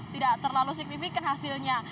tidak terlalu signifikan hasilnya